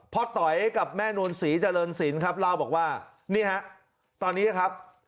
ต๋อยกับแม่นวลศรีเจริญศิลป์ครับเล่าบอกว่านี่ฮะตอนนี้ครับ